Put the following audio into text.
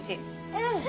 うん！